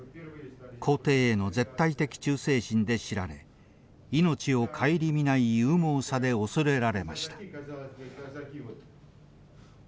皇帝への絶対的忠誠心で知られ命を顧みない勇猛さで恐れられました。